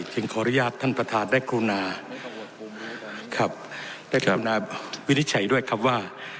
ขออนุญาตท่านประธานได้กรุณาครับได้กรุณาวินิจฉัยด้วยครับว่า